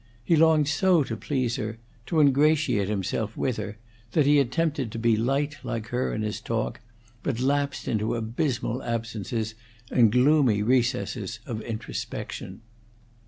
He longed so to please her, to ingratiate himself with her, that he attempted to be light like her in his talk, but lapsed into abysmal absences and gloomy recesses of introspection.